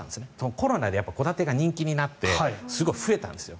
コロナで戸建てが人気になってすごく増えたんですよ。